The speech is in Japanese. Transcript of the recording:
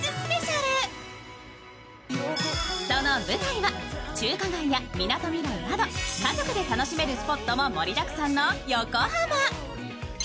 舞台は中華街やみなとみらいなど、家族で楽しめるスポットも盛りだくさんの横浜。